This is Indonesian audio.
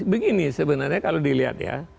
begini sebenarnya kalau dilihat ya